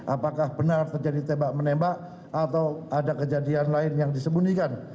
apakah benar terjadi tembak menembak atau ada kejadian lain yang disembunyikan